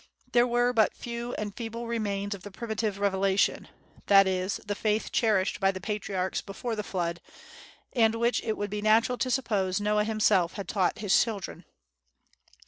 There were but few and feeble remains of the primitive revelation, that is, the faith cherished by the patriarchs before the flood, and which it would be natural to suppose Noah himself had taught to his children.